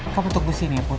kamu tunggu sini ya put